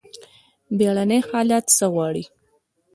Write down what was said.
بیړني حالات څه غواړي؟